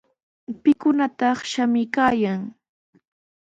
¿Pikunataq shamuykaayan?